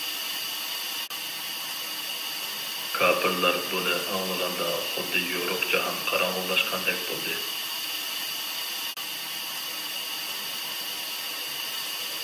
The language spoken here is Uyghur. كاپىرلار بۇنى ئاڭلىغاندا خۇددى يورۇق جاھان قاراڭغۇلاشقاندەك بولدى.